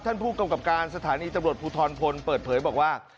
ท่านผู้กำกับการสถานีตำรวจภูทรพลเปิดเผยบอกว่า